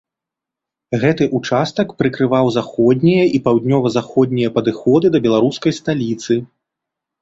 Гэты участак прыкрываў заходнія і паўднёва-заходнія падыходы да беларускай сталіцы.